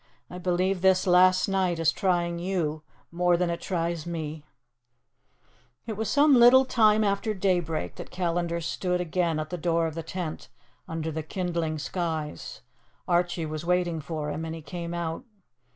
I believe this last night is trying you more than it tries me." It was some little time after daybreak that Callandar stood again at the door of the tent under the kindling skies. Archie was waiting for him and he came out.